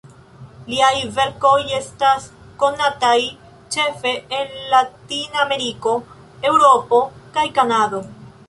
Liaj verkoj estas konataj ĉefe en Latinameriko, Eŭropo kaj Kanado.